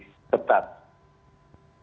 kan kita tidak bisa berubah